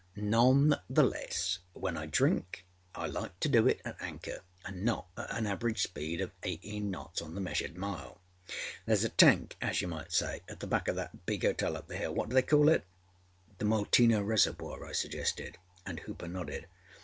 None the less, when I drink I like to do it at anchor anâ not at an average speed of eighteen knots on the measured mile. Thereâs a tank as you might say at the back oâ that big hotel up the hillâwhat do they call it?â âThe Molteno Reservoir,â I suggested, and Hooper nodded.